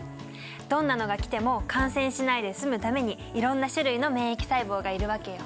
どんなのが来ても感染しないで済むためにいろんな種類の免疫細胞がいるわけよ。